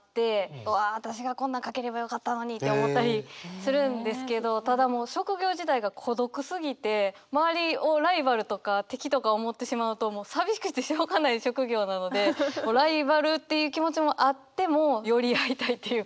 うわ私がこんなん書ければよかったのにって思ったりするんですけどただもう職業自体が孤独すぎて周りをライバルとか敵とか思ってしまうと寂しくてしょうがない職業なのでもうライバルっていう気持ちもあっても寄り合いたいっていうか。